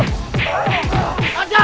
udah udah udah